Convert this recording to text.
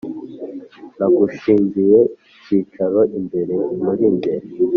Nagushingiye ikicaro imbere murinjye